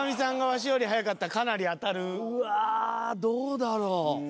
うわどうだろう？